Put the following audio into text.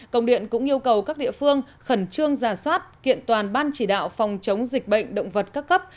công điện cũng yêu cầu các địa phương khẩn trương giả soát kiện toàn ban chỉ đạo phòng chống dịch bệnh động vật các cấp